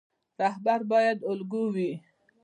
رهبر باید الګو وي